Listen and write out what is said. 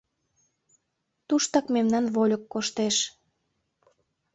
Туштак мемнан вольык коштеш.